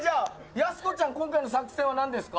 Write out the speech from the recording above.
やすこちゃん、今回の作戦は何ですか？